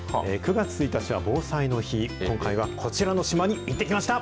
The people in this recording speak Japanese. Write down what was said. ９月１日は防災の日、今回はこちらの島に行ってきました。